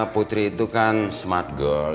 putri itu kan smart goal